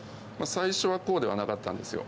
最初はこうではなかったんですよ。